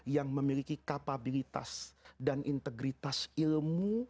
yang memiliki kapabilitas dan integritas ilmu